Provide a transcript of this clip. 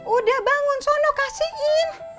udah bangun sono kasiin